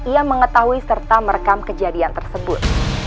ia mengetahui serta merekam kejadian tersebut